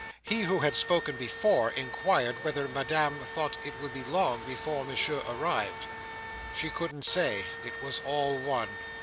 He who had spoken before, inquired whether Madame thought it would be long before Monsieur arrived? "She couldn't say. It was all one."